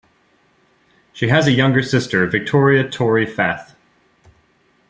She has a younger sister, Victoria "Tori" Fath.